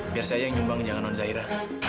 biar saya yang nyumbang janganan zaira